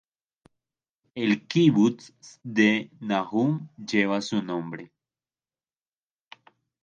El kibutz Sde Nahum lleva su nombre.